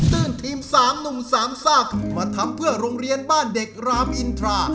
ื้นทีม๓หนุ่มสามซากมาทำเพื่อโรงเรียนบ้านเด็กรามอินทรา